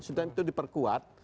sistem itu diperkuat